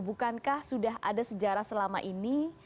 bukankah sudah ada sejarah selama ini